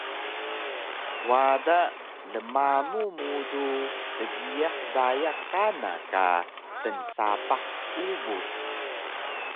Wada lmamu mudu dgiyaq daya kana ka tnsapah Ubus